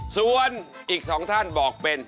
ส่วนอีก๒ท่านบอกเป็น